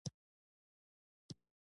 لویې شورا دوه نورې فرعي شوراګانې ټاکلې